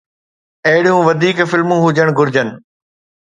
اهڙيون وڌيڪ فلمون هجڻ گهرجن